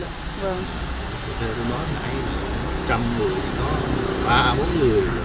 anh có addition